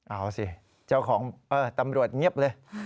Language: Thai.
เอาสิเจ้าของเออตำรวจเงียบเลย